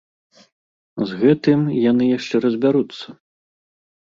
З гэтым яны яшчэ разбяруцца.